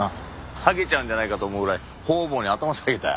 はげちゃうんじゃないかと思うぐらい方々に頭下げたよ。